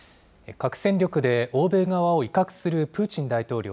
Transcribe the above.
核戦力で欧米側を威嚇するプーチン大統領。